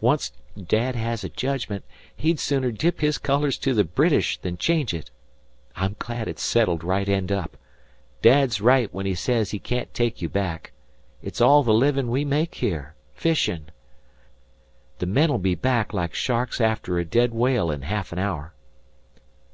Onct Dad has a jedgment, he'd sooner dip his colours to the British than change it. I'm glad it's settled right eend up. Dad's right when he says he can't take you back. It's all the livin' we make here fishin'. The men'll be back like sharks after a dead whale in ha'af an hour."